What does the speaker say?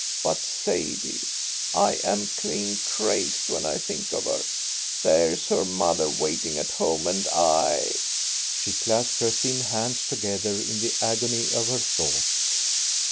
But Sadie I am clean crazed when I think of her. There's her mother waiting at home, and I " She clasped her thin hands together in the agony of her thoughts.